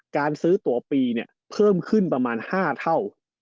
การซื้อตัวปีเนี่ยเพิ่มขึ้นประมาณ๕เท่า